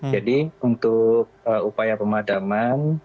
jadi untuk upaya pemadaman